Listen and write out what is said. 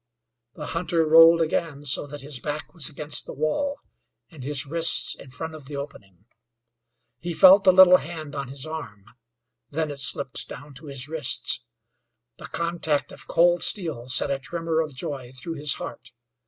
The, hunter rolled again so that his back was against the wall and his wrists in front of the opening. He felt the little hand on his arm; then it slipped down to his wrists. The contact of cold steel set a tremor of joy through his heart.